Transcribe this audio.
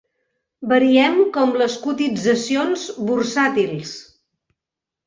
Variem com les cotitzacions bursàtils.